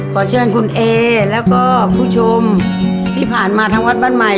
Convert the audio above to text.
ขอเชิญคุณเอแล้วก็ผู้ชมที่ผ่านมาทางวัดบ้านใหม่